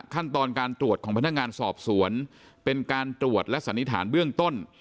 ขั้นตอนการตรวจของพนักงานสอบสวนเป็นการตรวจและสันนิษฐานเบื้องต้น